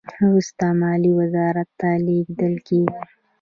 وروسته مالیې وزارت ته لیږل کیږي.